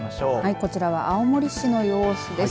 こちらは青森市の様子です。